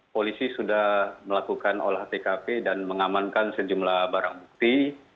polisi sudah melakukan olah tkp dan mengamankan sejumlah barang bukti